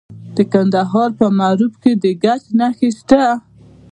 د کندهار په معروف کې د ګچ نښې شته.